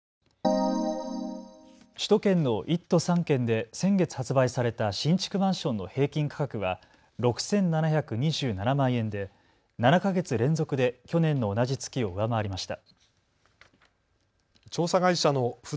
首都圏の１都３県で先月発売された新築マンションの平均価格は６７２７万円で７か月連続で去年の同じ月を上回りました。